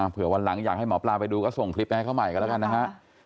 เพื่อวันหลังอยากให้หมอปลาไปดูก็ส่งคลิปให้เขาใหม่กันแล้วกันนะฮะ